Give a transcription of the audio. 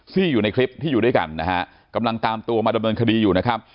อยู่ในคลิปที่อยู่ด้วยกันนะฮะกำลังตามตัวมาดำเนินคดีอยู่นะครับ